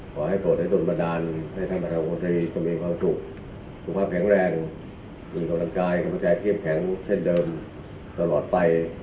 ขอให้โปรดให้จนบันดาลให้ท่านประธานกรณีจะมีความสุขความแข็งแรงมีกำลังกายความรู้ใจเข้มแข็งเช่นเดิมตลอดไป